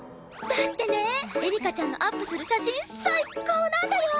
だってねエリカちゃんのアップする写真最高なんだよ！